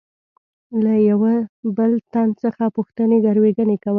له یوه بل تن څخه پوښتنې ګروېږنې کول.